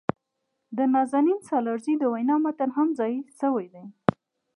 د نازنین سالارزي د وينا متن هم ځای شوي دي.